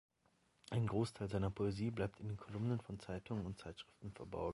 Ein Großteil seiner Poesie bleibt in den Kolumnen von Zeitungen und Zeitschriften verborgen.